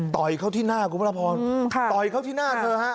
ต่อยเขาที่หน้าคุณพระพรต่อยเขาที่หน้าเธอฮะ